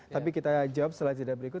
tapi kita jawab setelah jeda berikut